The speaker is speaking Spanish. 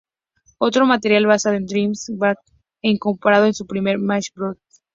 Otro material basado en "The Wind Waker" e incorporado en "Super Smash Bros.